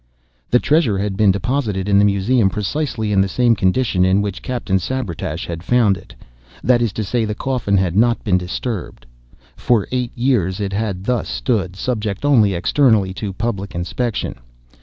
The treasure had been deposited in the Museum precisely in the same condition in which Captain Sabretash had found it—that is to say, the coffin had not been disturbed. For eight years it had thus stood, subject only externally to public inspection.